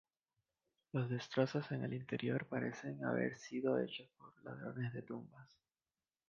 Los destrozos del interior parecen haber sido hechos por los ladrones de tumbas.